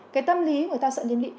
cái tâm lý người ta sợ liên lụy